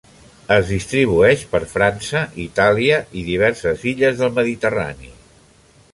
Es distribueix per França, Itàlia, i diverses illes del Mediterrani.